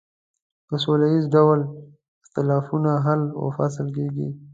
په سوله ایز ډول اختلافونه حل و فصل کیږي.